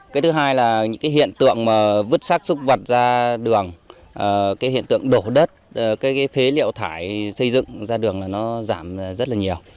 cái thứ hai là những cái hiện tượng vứt sát súc vật ra đường cái hiện tượng đổ đất cái phế liệu thải xây dựng ra đường là nó giảm rất là nhiều